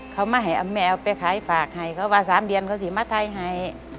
เขามาให้แม่เอาไปขายฝากให้เขาว่า๓เดือนเขาสิมาไทยให้